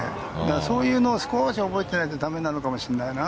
そういうのを少し覚えていないと駄目なのかもしれないな。